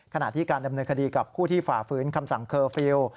ขณะที่การดำเนินคดีกับผู้ที่ฝ่าฝืนคำสั่งเคอร์ฟิลล์